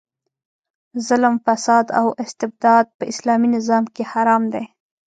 ظلم، فساد او استبداد په اسلامي نظام کې حرام دي.